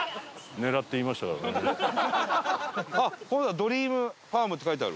「ドリームファーム」って書いてある。